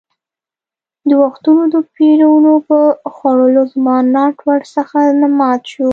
د وختونو د پېرونو په خوړلو زما ناټ ور څخه مات شو.